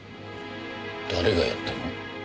誰がやったの？